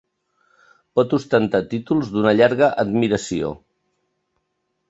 Pot ostentar títols d'una llarga admiració.